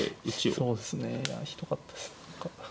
そうですねひどかったです何か。